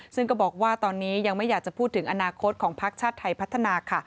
ซึ่งก็บอกว่าตอนนี้ยังไม่อยากจะพูดถึงอนาคตของพักชาติไทยพัฒนาค่ะ